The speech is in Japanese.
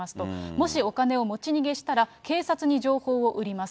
もしお金を持ち逃げしたら、警察に情報を売ります。